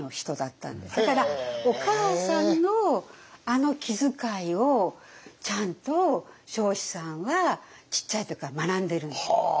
だからお母さんのあの気遣いをちゃんと彰子さんはちっちゃい時から学んでるんです。